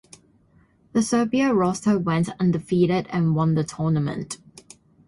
The Serbia roster went undefeated and won the tournament.